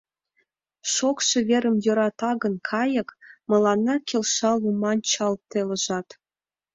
Шокшо верым йӧрата гын кайык, Мыланна келша луман чал телыжат.